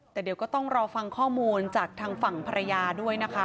แต่เดี๋ยวก็ต้องรอฟังข้อมูลจากทางฝั่งภรรยาด้วยนะคะ